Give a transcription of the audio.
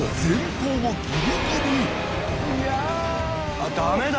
あっダメだ！